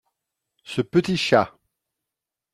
Ce petit chat.